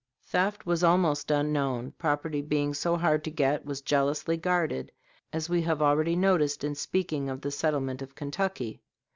Theft was almost unknown; property, being so hard to get, was jealously guarded, as we have already noticed in speaking of the settlement of Kentucky.